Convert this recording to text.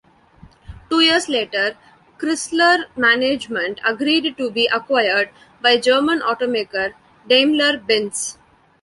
Two years later, Chrysler management agreed to be acquired by German automaker Daimler-Benz.